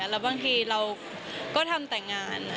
แล้วบางทีเราก็ทำแต่งงาน